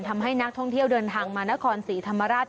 ทำให้นักท่องเที่ยวเดินทางมานครศรีธรรมราช